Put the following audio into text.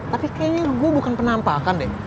tapi kayaknya gue bukan penampakan deh